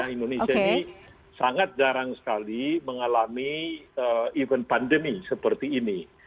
indonesia ini sangat jarang sekali mengalami event pandemi seperti ini